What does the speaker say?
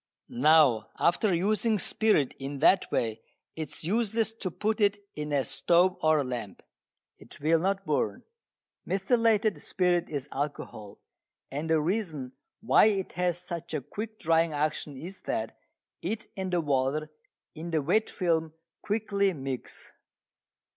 Now after using spirit in that way it is useless to put it in a spirit stove or lamp. It will not burn. Methylated spirit is alcohol, and the reason why it has such a quick drying action is that it and the water in the wet film quickly mix.